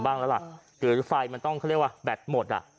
บ้างแล้วล่ะหรือไฟมันต้องเขาเรียกว่าแบตหมดอ่ะ